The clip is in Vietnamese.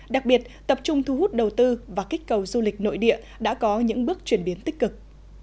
đặc biệt tập trung thu hút đầu tư và kích cầu du lịch nội địa đã có những bước chuyển biến tích cực